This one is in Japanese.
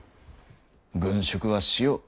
「軍縮はしよう。